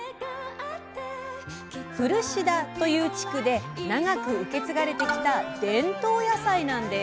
古志田という地区で長く受け継がれてきた伝統野菜なんです。